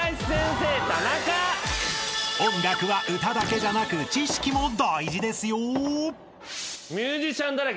［音楽は歌だけじゃなく知識も大事ですよ］